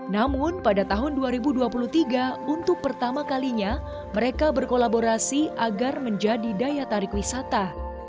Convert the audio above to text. namun pada tahun dua ribu dua puluh tiga untuk pertama kalinya mereka berkolaborasi agar menjadi daya tarik wisata